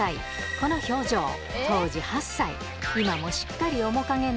この表情当時８歳どれ？